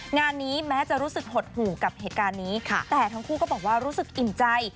งานนี้แม้จะรู้สึกหดหู่กับเหตุการณ์นี้แต่ทั้งคู่ก็บอกว่ารู้สึกอิ่มใจ